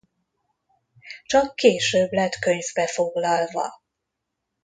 Csak később lett könyvbe foglalva.